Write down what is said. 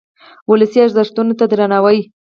ولسي ارزښتونو ته درناوی.